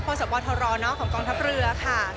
พอสปอตธรรมของกองทัพเรือค่ะ